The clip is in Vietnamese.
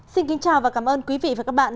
xin kính chào và cảm ơn quý vị và các bạn